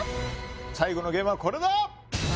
最後のゲームはこれだ！